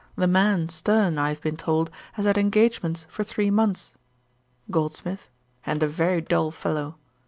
The man, Sterne, I have been told, has had engagements for three months.' GOLDSMITH. 'And a very dull fellow.'